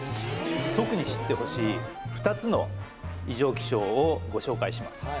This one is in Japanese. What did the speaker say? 特に知ってほしい２つの異常気象をご紹介します